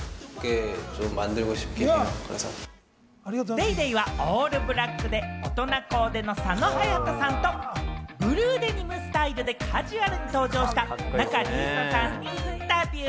『ＤａｙＤａｙ．』はオールブラックで大人コーデの佐野勇斗さんと、ブルーデニムスタイルでカジュアルに登場した仲里依紗さんにインタビュー。